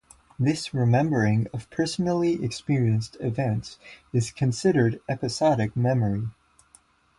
This remembering of personally experienced events is considered episodic memory.